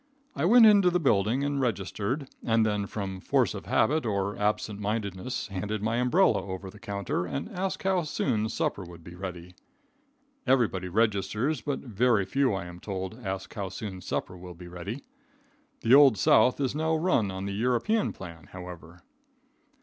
I went into the building and registered, and then from force of habit or absent mindedness handed my umbrella over the counter and asked how soon supper would be ready. Everybody registers, but very few, I am told, ask how soon supper will be ready. The Old South is now run on the European plan, however.